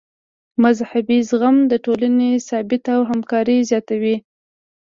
مذهبي زغم د ټولنې ثبات او همکاري زیاتوي.